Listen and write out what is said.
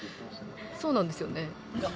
そうなんですよね？